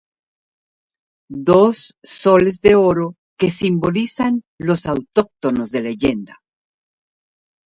Dos soles de Oro que simbolizan los autóctonos de leyenda.